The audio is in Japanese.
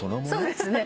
そうですね。